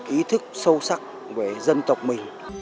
ý thức sâu sắc về dân tộc mình